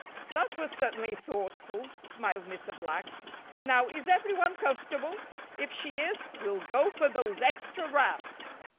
"That was certainly thoughtful," smiled Mr. Black. "Now, is every one comfortable? If she is, we'll go for those extra wraps."